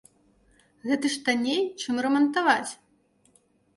Гэта ж танней, чым рамантаваць.